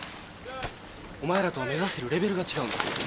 お前らとは目指してるレベルが違うんだ。